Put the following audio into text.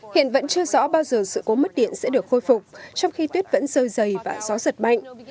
hiện vẫn chưa rõ bao giờ sự cố mất điện sẽ được khôi phục trong khi tuyết vẫn rơi dày và gió giật mạnh